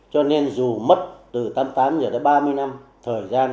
cho nên dù mất từ tám mươi tám giờ tới ba mươi năm